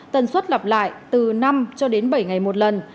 tần suất lặp lại từ năm cho đến bảy ngày một lần